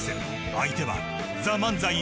相手はＴＨＥＭＡＮＺＡＩ。